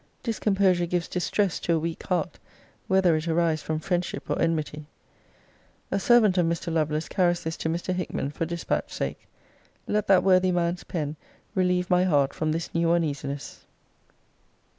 discomposure gives distress to a weak heart, whether it arise from friendship or enmity. A servant of Mr. Lovelace carries this to Mr. Hickman for dispatch sake. Let that worthy man's pen relieve my heart from this new uneasiness.